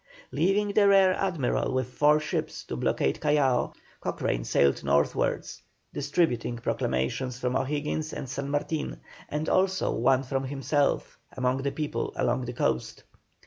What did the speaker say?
Leaving the Rear Admiral with four ships to blockade Callao, Cochrane sailed northwards, distributing proclamations from O'Higgins and San Martin, and also one from himself, among the people along the coast.